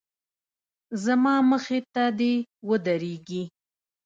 زما مخې ته دې ودرېږي.